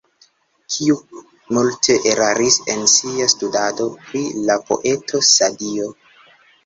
Kiu multe eraris en sia studado pri la poeto Sadio.